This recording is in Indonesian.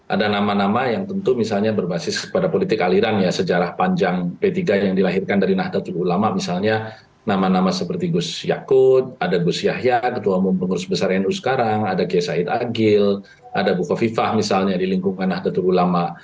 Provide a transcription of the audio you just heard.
ada nama nama yang tentu misalnya berbasis pada politik aliran ya sejarah panjang p tiga yang dilahirkan dari nahdlatul ulama misalnya nama nama seperti gus yakut ada gus yahya ketua umum pengurus besar nu sekarang ada kiai said agil ada bukoviva misalnya di lingkungan nahdlatul ulama